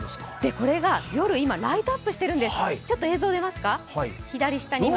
これが夜、今、ライトアップしているんです。